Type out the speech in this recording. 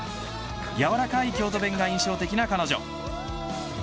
やわらかい京都弁が印象的な彼女。